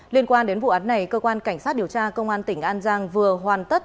liên quan đến vụ án này cơ quan cảnh sát điều tra công an tỉnh an giang vừa hoàn tất